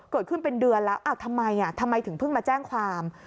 เกิดขึ้นเป็นเดือนแล้วทำไมทำไมถึงเพิ่งมาแจ้งความ